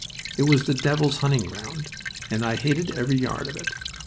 It was the devil's hunting ground and I hated every yard of it.